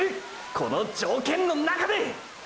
この条件の中で！！